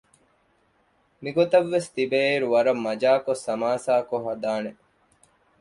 މިގޮތަށްވެސް ތިބޭއިރު ވަރަށް މަޖާކޮށް ސަމާސާކޮށް ހަދާނެ